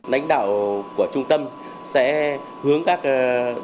lãnh đạo của trung tâm sẽ hướng các đối tượng